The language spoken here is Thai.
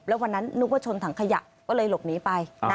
แล้ววันนั้นนึกว่าชนถังขยะก็เลยหลบหนีไป